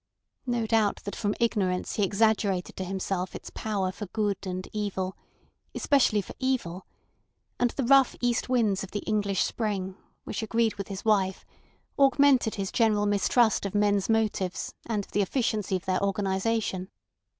No doubt that from ignorance he exaggerated to himself its power for good and evil—especially for evil; and the rough east winds of the English spring (which agreed with his wife) augmented his general mistrust of men's motives and of the efficiency of their organisation.